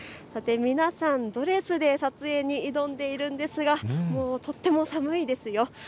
皆さんドレスで撮影に臨んでいるんですがとても寒いですよ。